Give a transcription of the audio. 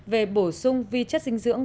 về bổ sung vi chất dinh dưỡng